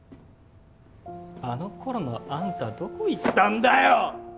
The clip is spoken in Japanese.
あの頃のあんたはどこ行ったんだよ！